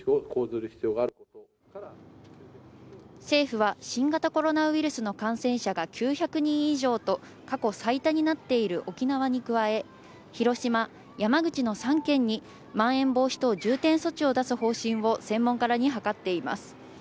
政府は新型コロナウイルスの感染者が９００人以上と過去最多になっている沖縄に加え、広島、山口の３県にまん延防止等重点措置を出す方針を専門家らに諮っています。